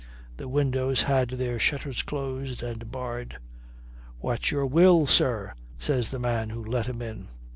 The windows had their shutters closed and barred. "What's your will, sir?" says the man who let him in.